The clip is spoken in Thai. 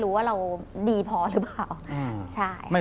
สุดท้าย